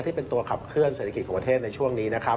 ที่เป็นตัวขับเคลื่อเศรษฐกิจของประเทศในช่วงนี้นะครับ